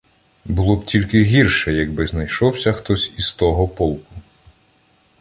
Було б тільки гірше, якби знайшовся хтось із того полку.